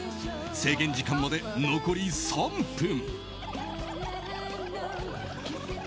制限時間まで残り３分！